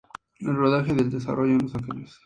El rodaje se desarrolló en Los Ángeles.